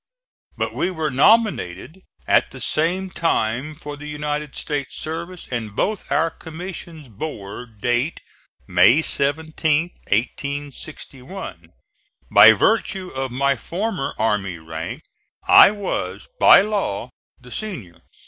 But we were nominated at the same time for the United States service, and both our commissions bore date May 17th, 1861. By virtue of my former army rank I was, by law, the senior.